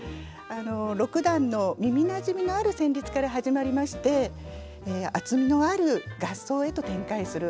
「六段」の耳なじみのある旋律から始まりまして厚みのある合奏へと展開する作品です。